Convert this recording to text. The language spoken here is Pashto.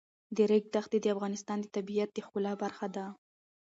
د ریګ دښتې د افغانستان د طبیعت د ښکلا برخه ده.